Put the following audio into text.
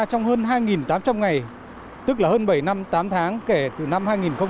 trong hơn hai tám trăm linh ngày tức là hơn bảy năm tám tháng kể từ năm hai nghìn một mươi